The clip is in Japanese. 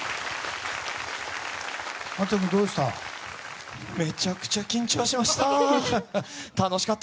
松也君、どうでした？